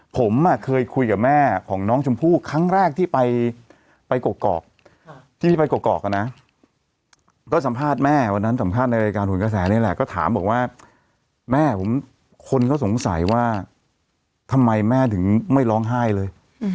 ผมเคยคุยกับแม่ของน้องชมพู่ครั้งแรกที่ไปกอกที่พี่ไปกรอกนะก็สัมภาษณ์แม่วันนั้นสัมภาษณ์ในรายการหุ่นกระแสนี่แหละก็ถามบอกว่าแม่ผมคนก็สงสัยว่าทำไมแม่ถึงไม่ร้องไห้เลย